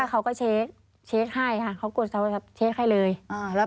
ค่ะเค้าก็เช็คให้ค่ะเค้ากดเช็คให้เลย